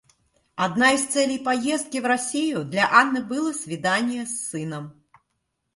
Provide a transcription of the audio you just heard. Одна из целей поездки в Россию для Анны было свидание с сыном.